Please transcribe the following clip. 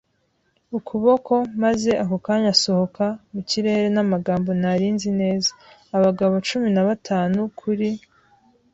ukuboko, maze ako kanya asohoka mu kirere n'amagambo nari nzi neza: “Abagabo cumi na batanu kuri